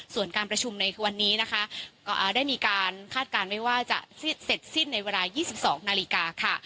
ส่วนการประชุมในวันนี้นะคะก็ได้มีการคาดการณ์ไว้ว่าจะเสร็จสิ้นในเวลา๒๒นาฬิกาค่ะ